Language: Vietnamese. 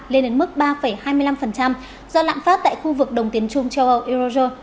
lên đến mức ba hai mươi năm phần trăm do lạng phát tại khu vực đồng tiến trung châu âu eurozone